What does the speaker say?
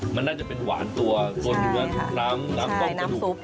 มันน่าจะเป็นหวานตัวตัวเนื้อน้ำต้มกระดูก